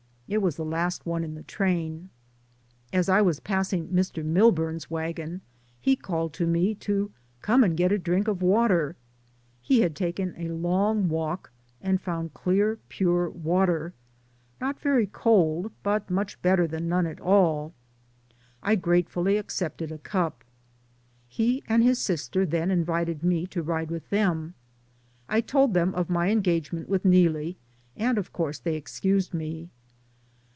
It was the last one in the train. As I was passing Mr. Milburn's wagon he called to me to "Come and get a drink of water." He had taken a long walk, and found clear, pure water, not very cold, but much better 44 DAYS ON THE ROAD. than none at all. I gratefully accepted a cup. He and his sister then invited me to ride with them. I told them of my engagement with Neelie, and, of course, they excused me.